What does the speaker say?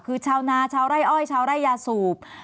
คือชาวนาชาวไร่อ้อยชาวไร่ยาสูบ